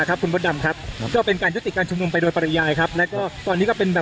ทางกลุ่มมวลชนทะลุฟ้าทางกลุ่มมวลชนทะลุฟ้า